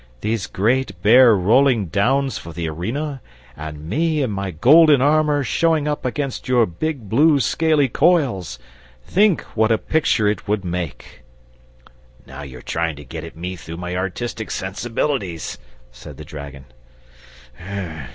"These great bare rolling Downs for the arena, and me in my golden armour showing up against your big blue scaly coils! Think what a picture it would make!" "Now you're trying to get at me through my artistic sensibilities," said the dragon.